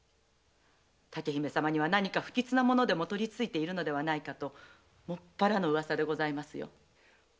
竹姫様には何か不吉なものでもとり憑いているのではないかともっぱらの噂でございますよ。